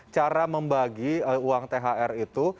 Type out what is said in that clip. cara membagi uang thr itu